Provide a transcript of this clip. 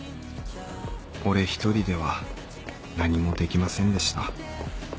俺１人では何もできませんでした。